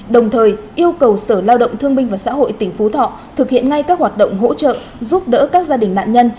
đồng thời yêu cầu sở lao động thương minh và xã hội tỉnh phú thọ thực hiện ngay các hoạt động hỗ trợ giúp đỡ các gia đình nạn nhân